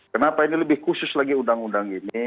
kenapa ini lebih khusus lagi undang undang ini